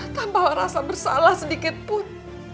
tanpa merasa bersalah sedikitpun